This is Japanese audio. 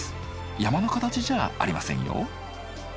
山の形じゃありませんよ。